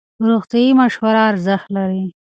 روغتیایي مشوره ارزښت لري.